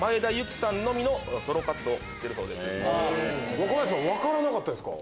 若林さん分からなかったですか？